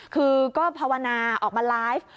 คือก็ภาวนาออกมาไลฟ์